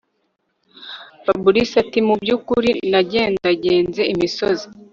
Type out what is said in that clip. Fabric atimubyukuri nagendagenze imisozi